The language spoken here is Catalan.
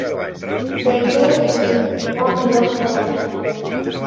Bellvei es un bon lloc per anar-hi